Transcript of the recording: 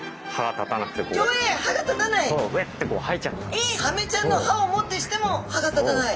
昔サメちゃんの歯をもってしても歯が立たない。